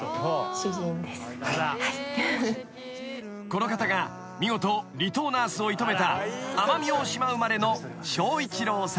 ［この方が見事離島ナースを射止めた奄美大島生まれの翔一郎さん］